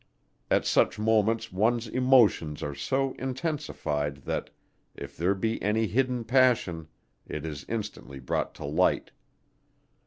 At such moments one's emotions are so intensified that, if there be any hidden passion, it is instantly brought to light.